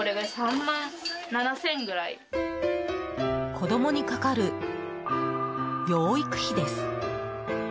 子供にかかる養育費です。